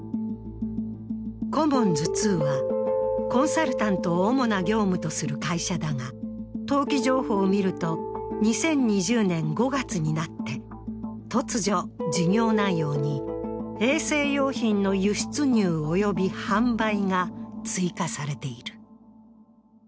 コモンズ２は、コンサルタントを主な業務とする会社だが、登記情報を見ると２０２０年５月になって突如、事業内容に、衛生用品の輸出入および販売が追加されている。